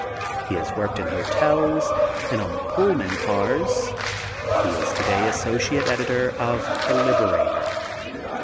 He has worked in hotels and on the Pullman cars. He is to day associate editor of The Liberator.